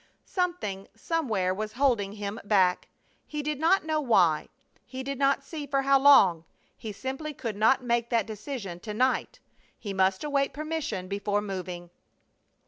Something, somewhere was holding him back. He did not know why, he did not see for how long. He simply could not make that decision to night! He must await permission before moving.